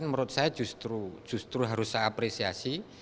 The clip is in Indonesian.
menurut saya justru harus saya apresiasi